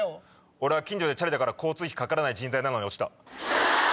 俺は近所でチャリだから交通費かからないのに落ちた。